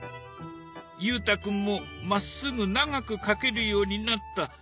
裕太君もまっすぐ長く描けるようになった。